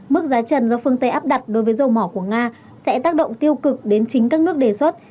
mức giá trần do phương tây áp đặt đối với dầu mỏ của nga sẽ tác động tiêu cực đến chính các nước đề xuất